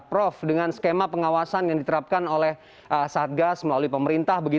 prof dengan skema pengawasan yang diterapkan oleh satgas melalui pemerintah